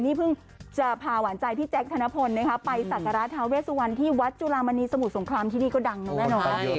นี่เพิ่งจะพาหวานใจพี่แจ๊คธนพลไปสักการะทาเวสวันที่วัดจุลามณีสมุทรสงครามที่นี่ก็ดังนะแม่เนาะ